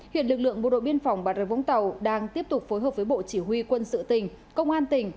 hiện lực lượng bộ đội biên phòng bà rê vũng tàu đang tiếp tục phối hợp với bộ chỉ huy quân sự tỉnh công an tỉnh